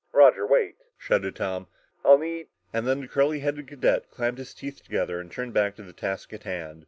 "Roger, wait," shouted Tom. "I'll need...." And then the curly headed cadet clamped his teeth together and turned back to the task at hand.